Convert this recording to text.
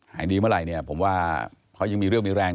อย่างนี้เมื่อไหร่ผมว่าเขายังมีเรื่องมีแรง